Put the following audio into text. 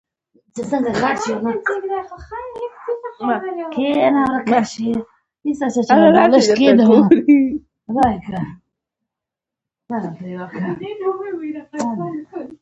زما مور هره ورځ کور پاکوي او ټول شیان سموي